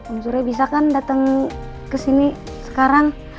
om surya bisa kan datang ke sini sekarang